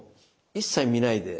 一切見ないで。